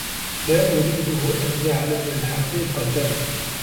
لا أريده أن يعلم الحقيقة.